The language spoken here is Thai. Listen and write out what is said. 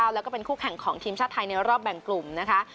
แล้วก็เป็นคู่แข่งของทีมชาติไทยในรอบแบ่งกลุ่มนะคะ